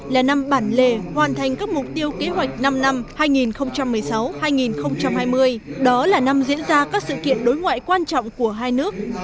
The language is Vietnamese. là năm bản lề hoàn thành các mục tiêu kế hoạch năm năm hai nghìn một mươi sáu hai nghìn hai mươi đó là năm diễn ra các sự kiện đối ngoại quan trọng của hai nước